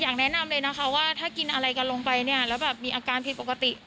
แนะนำเลยนะคะว่าถ้ากินอะไรกันลงไปเนี่ยแล้วแบบมีอาการผิดปกติ